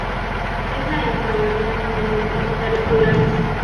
Es la hija mayor de una familia de propietarios rurales.